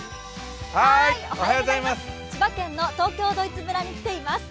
千葉県の東京ドイツ村に来ています。